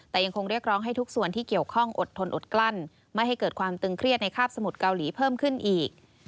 แต่ยังคงเรียกร้องให้ทุกส่วนที่เกี่ยวข้องอดทนอดกลั้นไม่ให้เกิดความตึงเครียดในคาบสมุทรเกาหลีเพิ่มขึ้นอีก